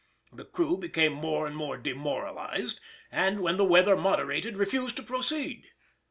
The crew became more and more demoralised, and when the weather moderated refused to proceed.